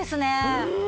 うん！